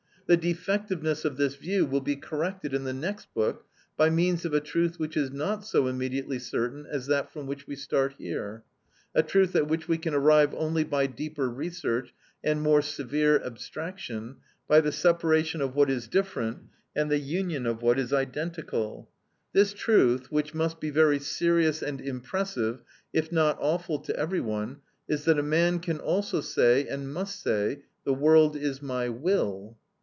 The defectiveness of this view will be corrected in the next book by means of a truth which is not so immediately certain as that from which we start here; a truth at which we can arrive only by deeper research and more severe abstraction, by the separation of what is different and the union of what is identical. This truth, which must be very serious and impressive if not awful to every one, is that a man can also say and must say, "the world is my will."